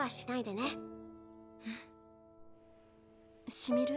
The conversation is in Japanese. しみる？